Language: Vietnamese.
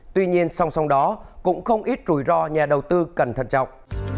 tuy nhiên song song đó cũng không ít rủi ro nhà đầu tư cần thận trọng